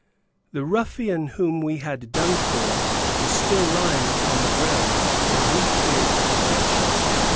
The ruffian whom we had done for, was still lying upon the ground and we feared detection.)